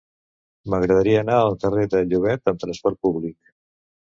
M'agradaria anar al carrer de Llobet amb trasport públic.